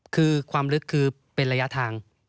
คือความลึกคือเป็นระยะทาง